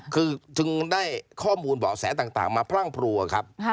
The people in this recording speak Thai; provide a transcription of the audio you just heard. คือจึงได้ข้อมูลเบาะแสต่างมาพรั่งพรัวครับ